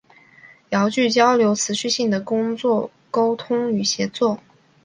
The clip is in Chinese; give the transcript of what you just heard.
遥距交流持续性的工作沟通与协作